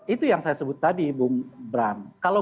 itu yang saya sebut tadi bung bram